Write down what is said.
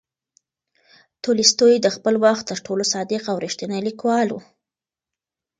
تولستوی د خپل وخت تر ټولو صادق او ریښتینی لیکوال و.